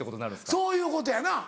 そういうことやな。